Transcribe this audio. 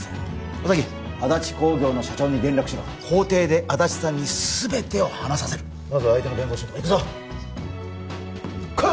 尾崎アダチ工業の社長に連絡しろ法廷で足立さんにすべてを話させるまずは相手の弁護士のとこ行くぞ来い！